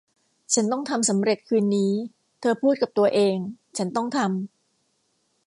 ฉันต้องทำสำเร็จคืนนี้ เธอพูดกับตัวเอง ฉันต้องทำ